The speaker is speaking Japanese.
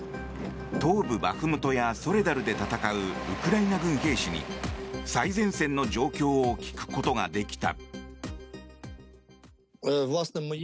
東部バフムトやソレダルで戦うウクライナ軍兵士に最前線の状況を聞くことができた。